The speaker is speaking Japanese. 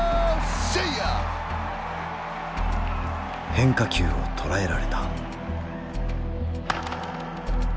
変化球を捉えられた。